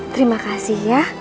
terima kasih ya